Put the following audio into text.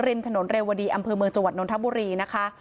กินสนุนแลวดีอำพิมพ์เมืองจังหวัดนวลธบุรีนะคะ